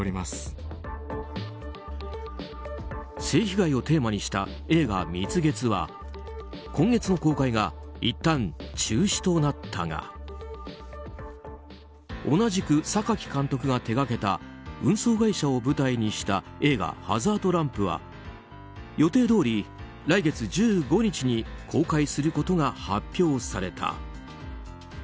性被害をテーマにした映画「蜜月」は今月の公開がいったん中止となったが同じく榊監督が手掛けた運送会社を舞台にした映画「ハザードランプ」は予定どおり来月１５日に公開することが発表された。